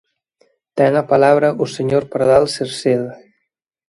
Ten a palabra o señor Pardal Cerceda.